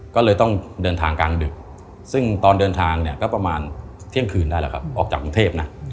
ก็เลยต้องเดินทางกลางดึกซึ่งตอนเดินทางเนี่ยก็ประมาณเที่ยงคืนได้แล้วครับออกจากกรุงเทพนะ